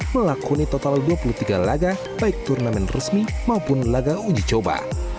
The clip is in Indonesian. melakoni total dua puluh tiga laga baik turnamen resmi maupun laga uji coba